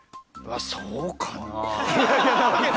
そうかな？